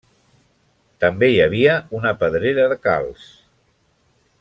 També hi havia una pedrera de calç.